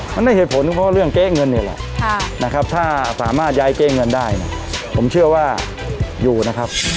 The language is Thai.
มันได้เหตุผลเพราะเรื่องเก๊เงินนี่แหละนะครับถ้าสามารถย้ายเก๊เงินได้เนี่ยผมเชื่อว่าอยู่นะครับ